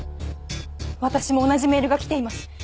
私も同じメールがきています。